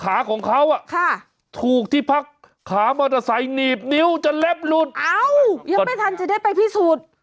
ขาของเขาถูกที่พักขามอเตอร์ไซค์หนีบนิ้วจนเล็บหลุดยังไม่ทันจะได้ไปพิสูจน์